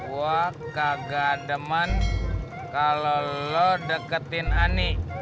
wah kagak deman kalau lo deketin ani